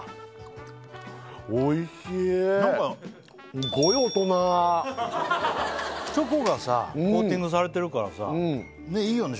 そっかすっごい大人チョコがさコーティングされてるからさいいよね